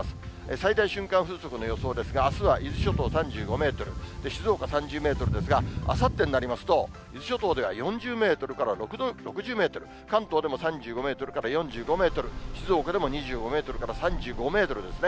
最大瞬間風速の予想ですが、あすは伊豆諸島３５メートル、静岡３０メートルですが、あさってになりますと、伊豆諸島では４０メートルから６０メートル、関東でも３５メートルから４５メートル、静岡でも２５メートルから３５メートルですね。